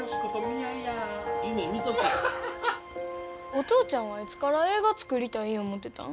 お父ちゃんはいつから映画作りたい思うてたん？